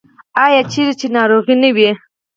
آیا چیرې چې ناروغي نه وي؟